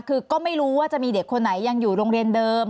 คือก็ไม่รู้ว่าจะมีเด็กคนไหนยังอยู่โรงเรียนเดิม